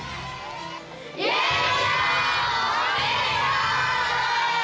優勝おめでとう！